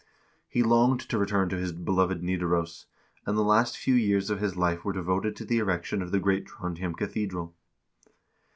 He longed to return to his beloved Nidaros, and the last few years of his life were devoted to the erection of the great Trondhjem cathedral.